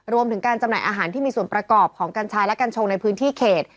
รวมถึงการจำหน่ายอาหารที่มีส่วนประกอบของกัญชาและกัญชงในพื้นที่เขต